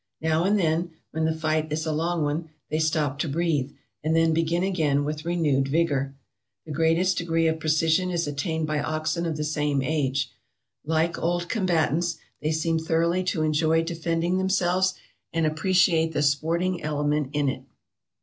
Now and then, when the fight is a long one, they stop to breathe, and then begin again with renewed vigor. The greatest degree of precision is at tained by oxen of the same age. Like old combatants, they seem thoroughly to enjoy defending themselves, and appreciate the sporting element in it.